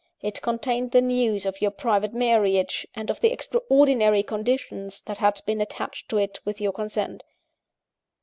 It contained the news of your private marriage, and of the extraordinary conditions that had been attached to it with your consent.